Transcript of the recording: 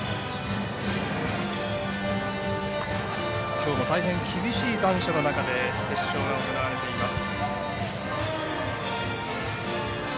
きょうも大変厳しい残暑の中で試合が行われています。